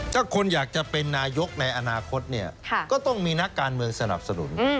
ถ้าคนอยากจะเป็นนายกในอนาคตเนี่ยก็ต้องมีนักการเมืองสนับสนุน